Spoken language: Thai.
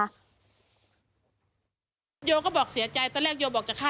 โยต้องกล้าภาษณ์อยากให้คุณผู้ชมได้ฟัง